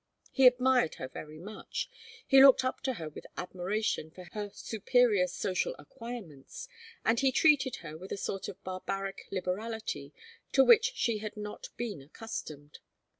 He admired her very much; he looked up to her with admiration for her superior social acquirements, and he treated her with a sort of barbaric liberality to which she had not been accustomed.